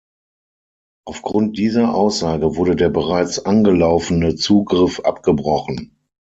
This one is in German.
Aufgrund dieser Aussage wurde der bereits angelaufene Zugriff abgebrochen.